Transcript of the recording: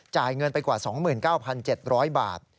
เงินไปกว่า๒๙๗๐๐บาท